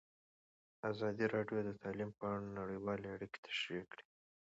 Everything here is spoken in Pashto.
ازادي راډیو د تعلیم په اړه نړیوالې اړیکې تشریح کړي.